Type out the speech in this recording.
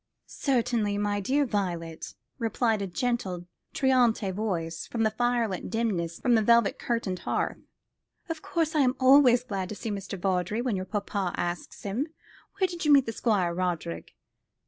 "Certainly, my dear Violet," replied a gentle, traînante voice from the fire lit dimness near the velvet curtained hearth. "Of course I am always glad to see Mr. Vawdrey when your papa asks him. Where did you meet the Squire, Roderick?"